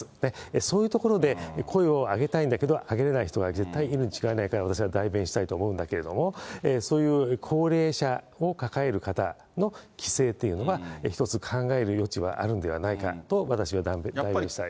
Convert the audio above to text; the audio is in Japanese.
そういうところで声を上げたいんですけど、上げれない人が絶対いるに違いないから、私は代弁したいと思うんだけれども、そういう高齢者を抱える方の帰省というのは、一つ考える余地があるんではないかと、私は断言したい。